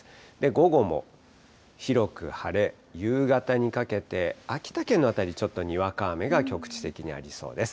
午後も広く晴れ、夕方にかけて秋田県の辺り、ちょっとにわか雨が局地的にありそうです。